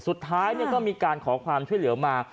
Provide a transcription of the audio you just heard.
สุดท้ายก็มีการขอความช่วยเหลือมา